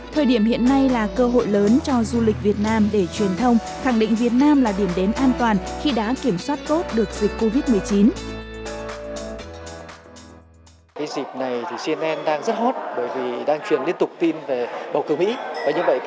thời điểm hiện nay là cơ hội lớn cho du lịch việt nam để truyền thông khẳng định việt nam là điểm đến an toàn khi đã kiểm soát tốt được dịch covid một mươi chín